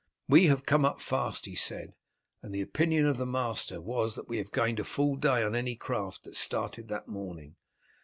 "We have come up fast," he said, "and the opinion of the master was that we have gained a full day on any craft that started that morning.